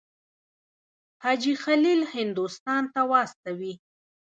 حاجي خلیل هندوستان ته واستوي.